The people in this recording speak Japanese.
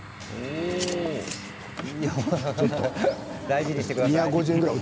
大事にしてください。